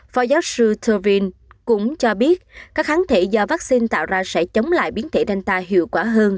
phó giáo sư turvin cũng cho biết các kháng thể do vắc xin tạo ra sẽ chống lại biến thể delta hiệu quả hơn